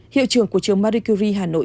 hiệu trường của trường marie curie hà nội